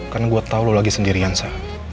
karena gue tau lo lagi sendirian sa